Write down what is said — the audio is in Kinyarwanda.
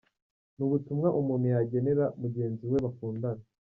Ni ubutumwa umuntu yagenera mugenzi we bakundana.